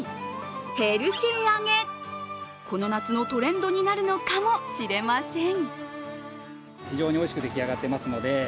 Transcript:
ヘルシー揚げ、この夏のトレンドになるのかもしれません。